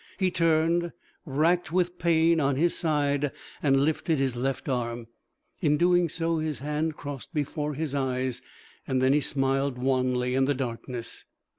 He turned, wracked with pain, on his side and lifted his left arm. In doing so his hand crossed before his eyes and then he smiled wanly in the darkness.